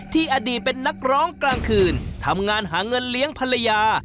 อดีตเป็นนักร้องกลางคืนทำงานหาเงินเลี้ยงภรรยา